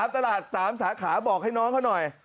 ตลาด๓สาขาบอกให้น้องเขาหน่อย